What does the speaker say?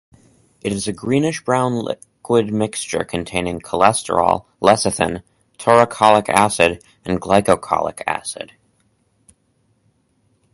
It is a greenish-brown liquid mixture containing cholesterol, lecithin, taurocholic acid, and glycocholic acid.